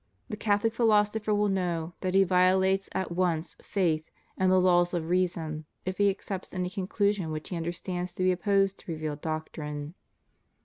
the Catholic philosopher will know that he violates at once faith and the laws of reason if he accepts any con clusion which he understands to be opposed to revealed doctrine.